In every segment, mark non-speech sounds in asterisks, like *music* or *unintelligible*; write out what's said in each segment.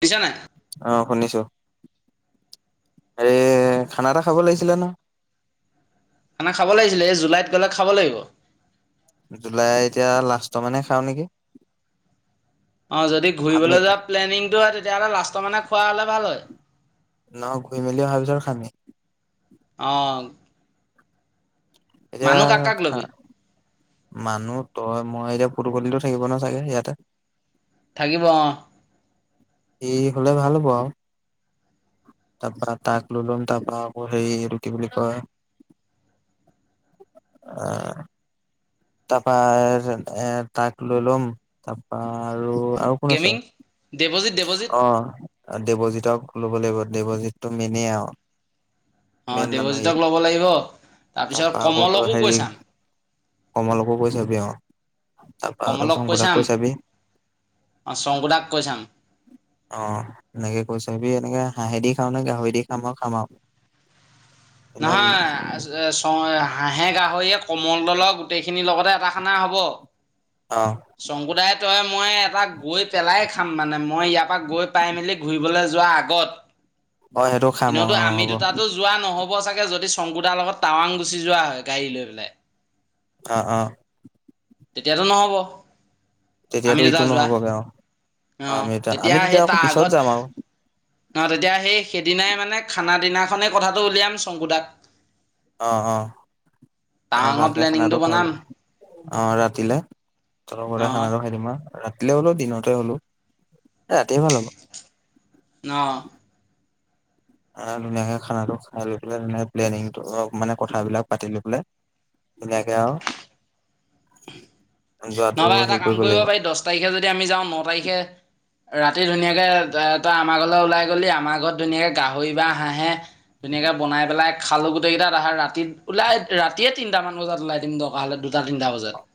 বুজিছা নাই অঁ শুনিছো হেৰি খানা এটা খাব লাগিছিলে ন খানা খাব লাগিছিলে এই জুলাইত গ'লে খাব লাগিব জুলাই এতিয়া লাষ্টৰ মানে খাওঁ নেকি অঁ যদি আমি ঘূৰিবলৈ যোৱা প্লেনিংটো হয় তেতিয়াহ'লে লাষ্টৰ মানে খোৱা হ'লে ভাল হয় ন ঘুই মেলি অহাৰ পিছত খাম হি অঁ এতিয়া মানুহ কাক কাক ল'বি মানুহ তই মই এতিয়া পুদখলো থাকিব ন চাগে ইয়াতে থাকিব অঁ স হলে ভাল হ'ব আৰু তাৰপা তাক লৈ লম তাৰপা আকৌ হেৰি এইটো কি বুলি কয় আহ তপ এ তাক লৈলম তাৰপা আৰু আৰু কোন আছে গেমিং দেৱজিত দেৱজিত অঁ দেৱজিতক ল'ব লাগিব দেৱজিতটো মেনেই আৰু অঁ মেইন মানুহ সি দেৱজিতক ল'ব লাগিব তাৰপিছত তাৰপা কমলকো কৈছাম কমালকো কৈছাবি অঁ তাৰপৰা কমলক ৰচোন গোলাক চাম কৈ চাবি অঁ শংকুদাক কৈ চাম আহ এনেকে কৈ চাবি এনেকে হাঁহেদিখাওঁ খাওঁ নে গাহৰি দি খাম আৰু খাম আৰু। এনে নহয়। হাঁহে গাহৰিে কমল দলৰ গোটেইখিনিৰ লগতে এটা খানা হব। অ শংকুদাই। তই মই এটা গৈ পেলাই খাম মানে, মই ইয়াৰ পৰা গৈ পাই মেলি ঘূৰিবলৈ যোৱাৰ আগত। অঁ সেইটো খাম অঁ অঁ হ'ব। হ'ব চাগে যদি শংকুদাৰ লগত টাৱাং গুচি যোৱা হয় গাড়ী লৈ পেলাই। অঁ অঁ। তেতিয়াতো নহব। আমি তেতিয়াতো দুটা ইটো যোৱা নহ'বগে আৰু, অ' আমি এতিয়া আমি তেতিয়া আকৌ পিছত যাম আৰু। নহ, তেতিয়া সেই সেইদিনাই মানে খানা দিনাখনেই কথাটো উলিয়াম শংকুদাক। অঁ অঁ, এ টাৱাঙৰ ভালকে প্লেনিংটো খানাটো খাই বনাম লো অঁ, ৰাতিলে। তহঁতৰ ঘৰতে খানা অ' তো খাই দিম আৰু। ৰাতিলে হ'লোও দিনতে হ'লোও ৰাতিয় ভাল হ'ব। অঁ। ধুনীয়াকে খানাটো খাই লৈ পেলাই মানে প্লেনিংটো মানে কথাবিলাক পাতি লৈ পেলাই ধুনীয়াকে আৰু। যোৱাটো নহবা এটা হেৰি কাম কৰিব লাগিব পাৰি, দহ তাৰিখে যদি আমি যাওঁ ন তাৰিখে। ৰাতি ধুনীয়াকে তই আমাৰ ঘৰলৈ ওলাই গলি আমাৰ ঘৰত ধুনীয়াকে গাহৰি বা হাঁহে ধুনীয়াকে বনাই পেলাই খালো গোটেই কেইটাতাই, ৰাতি ওলাই ৰাতিয়ে তিনটামান বজাত ওলাই দিম দৰকাৰ হ'লে দুটা তিনটা বজাত। অঁ,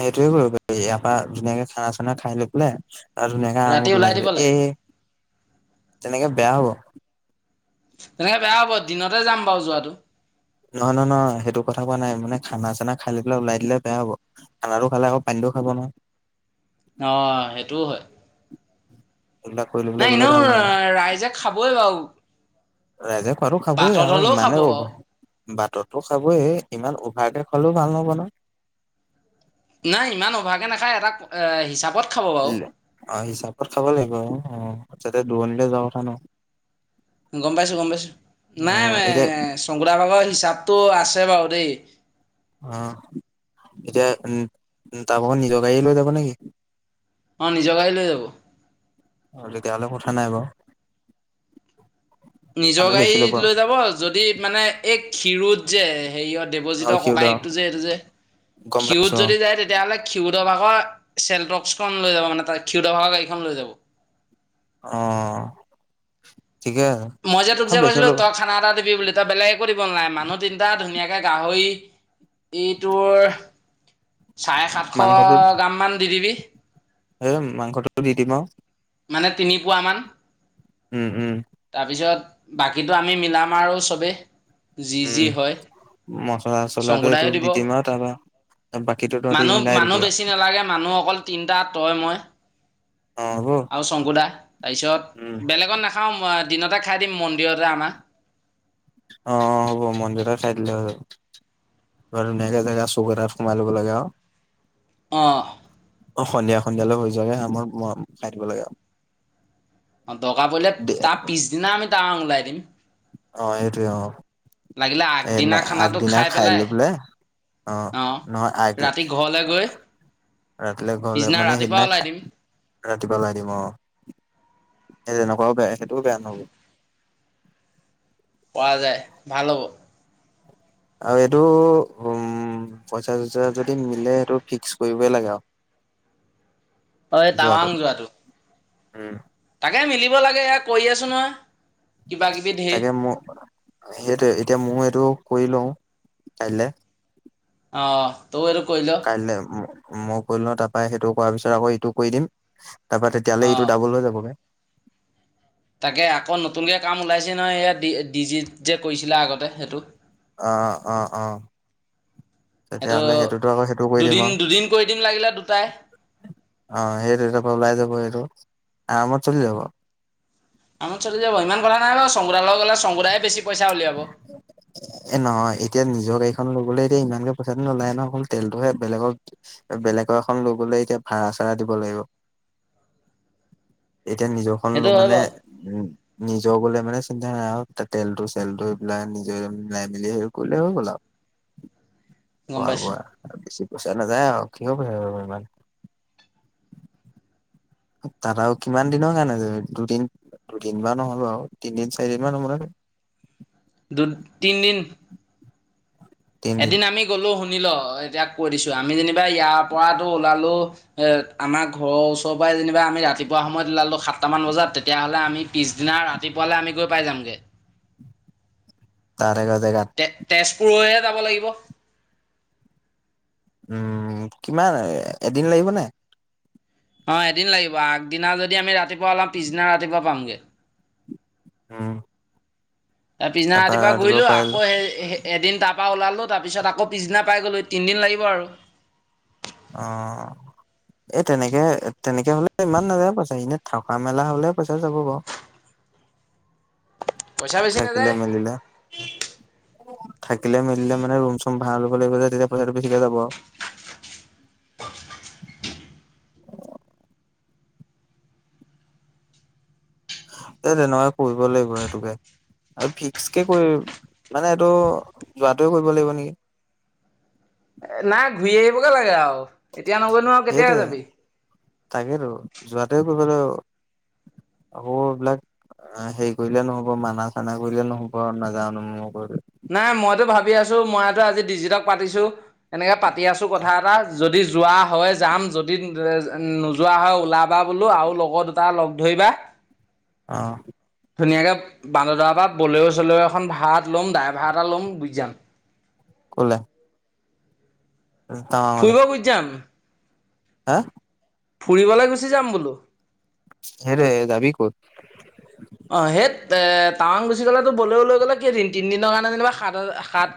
সেইটোয়ে কৰিব পাৰি, ইয়াৰ পৰা ধুনীয়াকে খানা চানা খাই লৈ পেলাই। আৰু ধুনীয়া কৈ ৰাতি আৰামত ওলাই আহিব দিব লাগে পাৰি। তেনেকৈ বেয়া হ'ব। তেনেকে বেয়া হ'ব দিনতে যাম বাৰু যোৱাতটো। নহয় নহয় নহয়, সেইটো কথা কোৱা নাই মানে খানা চানা খাই পেলাই ওলাই দিলে বেয়া হ'ব খানাটো খালে আকৌ পানীটোও খাব নহয়। অঁ, সেইটোওঁ হয়। এইবিলাক কৰি লৈ পেলাই নাই গ'লে এনেও ভাল নহ'ব। ৰাইজে খাবই বাৰু। ৰাইজে খোৱাটো খাবয়ে বাটত আৰু হ'লেও খাব ইমানেই বাৰু বাটতো খাবয় ইমান। ভাৰৰে খলেও ভাল নব ন *unintelligible* নাই, ইমান অভাকে নাখায় এটা এ হিচাপত। খাব বাৰু অ, হিচাপত খাব লাগিব অ। আচ্ছা দূৰণিলৈ যোৱা কথা নহয়। গম পাইছো গম পাইছো, অ নাই মানে এতিয়া শংকুদা ভাগৰ হিচাপতটো আছে বাৰু দেই। আহ, এতিয়া তাৰ ভাগ নিজৰ গাড়ীয়ে লৈ যাব নেকি? অঁ নিজৰ গাড়ী লৈ যাব। তেতিয়া হলে কথা নাই বাৰু। নিজৰ মানুহ বেছি ল'ব গাড়ী লৈ যাব যদি মানে এক। ক্ষিৰোত যে হেৰিয়ত অ দেৱজিত সিউদা ককায়কটো যে এইটো যে গম পাইছো খিউদ অ যদি যায় তেতিয়াহ'লে ক্ষিউদৰভাকৰ চেল ৰক্সখন লৈ যাব মানে তাৰ ক্ষীৰোদ ভাগৰ গাড়ী খন লৈ যাব। আহ মই যে তোক যে কৈছিলো তই খানা এটা দিবি বুলি তই বেলেগ একো দিব নালাগে মানুহ তিনিটা ধুনীয়াকে গাহৰি ইটোৰ চাৰে সাতশ মাংসটো গ্ৰাম মান দি দিবি। এ মাংসটো দি দিম আৰু। মানে তিনিপুৱামান। উম উম। তাৰপিছত বাকীটো আমি মিলাম আৰু চবেই। যি উম যি হয় মচলা চচলাটো শংকুদায়ো দিব দি দিম আৰু তাৰপা বাকীটো তহঁতি মিলাই দিবি আৰু। তিনটা, তই, মই অ হ'ব আৰু শংকুদা তাৰপিছত উম বেলেগত নাখাওঁ। দিনতে খাই দিম মন্দিৰতে আমাৰ। অ হ'ব মন্দিৰতে খাই দিলে হৈ যাব ধুনীয়াকে জেগা চোক এটাত সোমাই লব লাগে আৰু। অঁ অ সন্ধিয়া সন্ধিয়ালৈ হৈ যোৱাকে আমাৰ ম খাই দিব লাগে। অ দকা পৰিলে তাৰ পিছদিনা আমি টাউন ওলাই দিম। অ সেইটোৱে অ লাগিলে সেইদিনা আগদিনা খানাটো আগদিনা খাই পেলাই লৈ বোলে আহ অ' নহয় আগ ৰাতি ঘৰলৈ গৈ ৰাতিলে ঘৰলে পিছদিনা মানে ৰাতিপুৱা সেইদিনা ওলাই খাই দিম ৰাতিপুৱা ওলাই দিম আহ। সেই যেনেকুৱাও বেয়া সেইটোও বেয়া নহব। পৰা যায় ভাল হ'ব। আৰু এইটো উম। পইচা চইচা যদি মিলে সেইটো ফিক্স। কৰিবই লাগে আৰু। অ এ টাৱাং যোৱাটো। উম তাকে মিলিব লাগে এ কৰি আছোঁ নহয়। কিবা কিবি ধেৰ তাকে মোৰ সেইটোৱে এতিয়া মোৰ এইটো কৰি লওঁ কাইলে। অ তৈও সেইটো কৰি ল। কাইলে ম- মই কৰি লও তাৰপা সেইটো কৰাৰ পিছত আকৌ ইটো কৰি দিম। তাৰ পৰা তেতিয়াহলে ইটো অ' দাবোল হৈ যাবগে। তাকে আকৌ নতুনকে কাম ওলাইছে নহয় সেয়া ডি জি যে কৰিছিলা আগতে সেইটো। অ অ অ সেইটো তেতিয়াহ'লে সেইটোতো আকৌ সেইটো কৰি দিম দুদিন আৰু দুদিন কৰি দিম লাগিলে দুটাই। অ' সেইটো তাৰপৰা ওলাই যাব সেইটো আৰামত চলি যাব। আৰামত চলি যাব ইমান কথা নাই বাৰু শংকু দা লগত গ'লে শংকু দায়ে বেছি। পইচা উলিয়াব এ নহয়, এতিয়া নিজৰ গাড়ী এখন লৈ গ'লে এতিয়া ইমানকে পইচাটো নোলায়ে ন হ'ল ।তেলটোহে বেলেগক বেলেগক এখন লৈ গলে এতিয়া ভাড়া চাড়া দিব লাগিব। এতিয়া নিজৰখন ল' সেইটো হয় মানে বাৰু নিজৰ বুলি মানে চিন্তা *unintelligible* তে তেলটোছ তেলটো মিলাই নিজেই মিলা মেলি কৰিলে হৈ গ'ল আও। গম খোৱা পাইছোঁ বোৱা আৰু বেছি। পইচা নাযায় আৰু কিহৰ পইছা যাব ইমান। তাত আৰু কিমান দিনৰ কাৰণ যাবি দুদিন দুদিন বা নহ'লে আও তিনদিন চাৰিদিনমান হ'ব লাগে। দু তিনদিন। তিনদিন এদিন আমি গ'লো শুন শুনি ল, এতিয়া কৈ দিছো আমি যেনিবা ইয়াৰ পৰাটো ওলালো এ আমাৰ ঘৰৰ ওচৰৰ পৰাই যেনিবা আমি ৰাতিপুৱা সময়ত ওলালো সাতটামান বজাত তেতিয়াহ'লে আমি পিছদিনা ৰাতিপুৱালৈ আমি গৈ পাই যামগে। *unintelligible* তে তেজ। পুৰ হে যাব লাগিব। উম, কিমান এদিন লাগিব নাই? অ' এদিন লাগিব। আগদিনা যদি আমি ৰাতিপুৱা ওলাম পিছদিনা ৰাতিপুৱা পামগে। উম, তাৰ পিছদিনা তাৰপা ৰাতিপুৱা ঘূৰিলো পাই আকৌ সে সেই এদিন তাৰ পৰা ওলালো তাৰ পিছত আকৌ পিছদিনা পাই গলো তিনদিন লাগিব আৰু। অ' এই তেনেকে -তেনেকে হ'লে ইমান নাযায় পইচা, এনে থকা মেলা হ'লে পইচা যাব বাও। পইচা বেছি নাযায়। অ' থাকিলে মেলিলে মানে ৰোম ভাল হ'ব লাগিব, তেতিয়া পইচাটো বেছিকে যাব আও। *inaudible* এই নহয়। কৰিব লাগিব সেইটোকে। আৰু ফিক্সকে কৰি মানে এইটো যোৱাটোৱে কৰিব লাগিব নেকি। নাই ঘূৰি আহিব লাগে আও। এতিয়া নগৈ নো আৰু কেতিয়া যাবি? তাকেইতো যোৱাটোৱে কৰিব লাগিব আকৌ এইবিলাক হেৰি কৰিলে নহব মানা চানা কৰিলে নহব নাজানো ম কৰিলে। নাই মইটো ভাবি আছো। মইটো আজি ডিজিটক পাতিছোঁ। এনেকে পাতি আছো কথা এটা। যদি যোৱা হয় যাম যদি নোযোৱা হয় ওলাবা বোলো আৰু লগৰ দুটা লগ ধৰিবা। অ' ধুনীয়াকৈ বান্দৰাৰ পৰা বলেও চলে এখন ভাড়াত ল'ম ড্ৰাই ভাড়া এটা ল'ম গুচি যাম। ক'লে টাৱাঙলে ফুৰিব গুচি যাম। হা ফুৰিবলৈ গুচি যাম বোলো। সেইটোৱে যাবি ক'ত? এ টাৱাং গুচি গলেতো বলেও লৈ গ'লে কেইদিন তিনদিনৰ কাৰণে যেনিবা সাত হাৰ সাত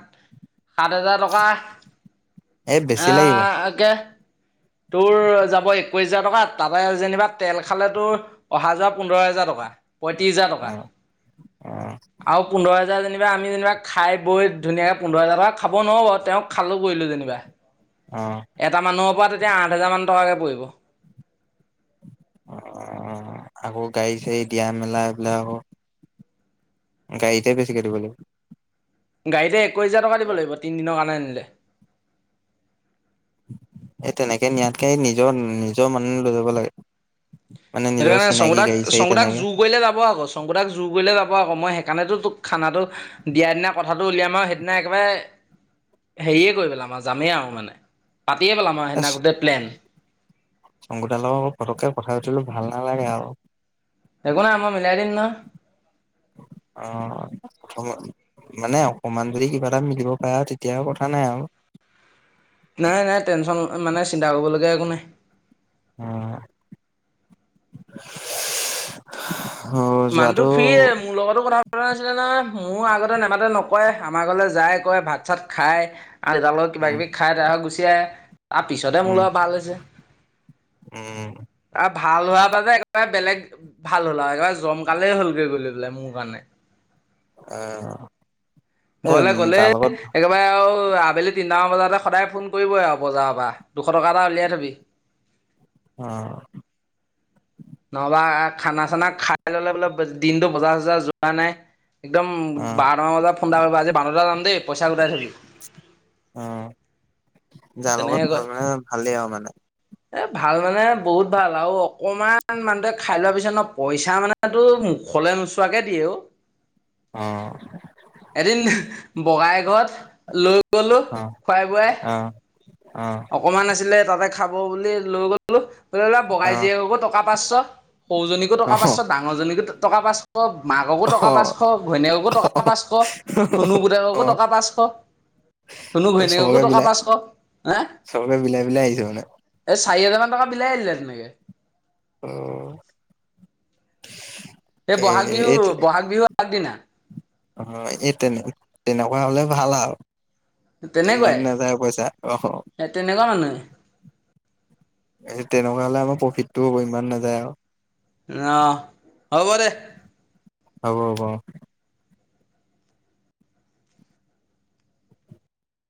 সাত হাজাৰ টকা এই বেছি লাগিব আহ অকে। তোৰ যাব একৈশ হেজাৰ টকা তাতে যেনিবা তেল খালে তোৰ অহা যোৱা পোন্ধৰ হেজাৰ টকা। পঁয়ত্ৰিশ হাজাৰ অ টকা অ আৰু পোন্ধৰ হেজাৰ যেনিবা আমি যেনিবা খাই বৈ ধুনীয়াকে পোন্ধৰ হাজাৰ টকা খাব নোৱাৰো বাৰ তেওঁক খালো কৰিলো যেনিবা। অ এটা মানুহৰ পৰা এতিয়া আঠ হেজাৰ মান টকাকে পৰিব। অঁ আকৌ গাড়ী চাড়ী দিয়া মেলা এইবিলাক। গাড়ীতে বেছিকৈ দিব লাগিব। গাড়ীৰ তে একৈশ হেজাৰ টকা দিব লাগিব তিনিদিনৰ কাৰণে *unintelligible* স তেনেকৈ নিয়াতকৈ নিজৰ নিজৰ মান লৈ যাব লাগে। মানে সেইটো নিজৰ কাৰণে চিনাকি শংকুদাক গাড়ী চাড়ী শংকুদাক তেনেকে জুৰ কৰিলে যাব আকৌ শংকুদাক জোৰ কৰিলে যাব আকৌ মই সেইকাৰণেতো তোক খানাটো দিয়াৰ দিনা কথাটো উলিয়াম আৰু সেইদিনা একেবাৰে হেৰিয়ে কৰি পেলাম আৰু যামেই আৰু মানে পাতিয়ে পেলাম আৰু এ সেইদিনা গোতেই প্লেন। শংকুদাৰ লগত পতককে কথা ভাল নালাগে আৰু। একো নাই আমাৰ মিলাই দিম ন। অঁ মানে অকমান যদি কিবা এটা মিলিব পাৰে আৰু তেতিয়া কথা নাই আৰু। নাই নাই টেনশচন মানে চিন্তা কৰিবলগীয়া একো নাই। আঁহ মানুহটো ফ্ৰিয়ে মোৰ লগতো কথা পা নাছিলে নহয়। মোৰ আগতে নেমাতে নকয় আমাৰ আগলে যায় কয় ভাত, চাত খাই। আৰু এটা লগত উম কিবাকিবি খাই তাৰপিছত গুচি আহে। তাৰ পিছতহে মোৰ উম লগত ভাল হৈছে। উম। আৰু ভাল হোৱাৰ বাবে একেবাৰে বেলেগ ভাল হ'ল আও। জমকালেই হ'লগৈ গলে পেলাই মোৰ কাৰণে। আহ এই গলে গলে যাৰ লগত একেবাৰে আঁও ত আবেলি তিনিটামান বজাতে সদায় ফোন কৰিবই আৰু বজাৰৰ পৰা দুশ টকা এটা উলিয়াই থবি। অঁ নহবা খানা চানা খাই ললে বোললে দিনটো বজাৰ চজাৰ যোৱা নাই। একদম অ বাৰ টা মান বজাত ফন এটা কৰিব। বানদাম। পইচা গোটাই থিবি। অ যাৰ লগত ভাল মানে ভালেই আৰু মানে। এ ভাল মানে বহুত ভাল আৰু অকমান মানুহটে খাই লোৱা পিছত ন পইচা মানো মুখলে নোচোৱাকে দিয়ে অ । অ এদিন বগাই। তলত লৈ। কলো অ খোৱাই বুৱাই। অ অ অকমান আছিলে তাত। ততে খাব বুলি লৈ গলো। অলপ অ বগাই য টকা। পাঁচশ। সৌজনী টকাৰ অহ পাচশ ত ডাঙজনী পাচশ। টকা পাচঁ। মাককো অহ টকা পাঁচশ ঘৈণীয়েককো টকা পাঁচশ ধনু গোটাককো টকা অ পাঁচশ ধনু ঘৈণীয়েককো টকা পাঁচশ। হে চবে মিলাই মিলাই আহিছে মানে। এই চাৰি হাজাৰান টকা বিলাই দিলে তেনেকে। অহ। এই বহাগ এই বিহুৰ বহাগ বিহুৰ আগ দিনা। অ এই তেনে তেনেকুৱা হলে ভাল আও। ইমান তেনেকুৱাই নাযায় পইচা অহ তেনেকুৱা মানুহে তেনেকুৱা। খোলে আমাৰ প্ৰফিত টো ইমান নাযায় আৰু। অহ হ'ব দে। হ'ব হ'ব।